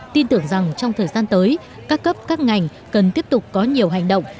tin tưởng rằng trong thời gian tới các cấp các ngành cần tiếp tục có nhiều hành động